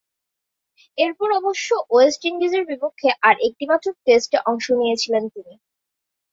এরপর অবশ্য ওয়েস্ট ইন্ডিজের বিপক্ষে আর একটিমাত্র টেস্টে অংশ নিয়েছিলেন তিনি।